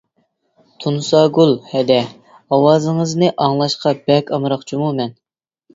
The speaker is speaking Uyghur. تۇنساگۈل ھەدە ئاۋازىڭىزنى ئاڭلاشقا بەك ئامراق جۇمۇ مەن.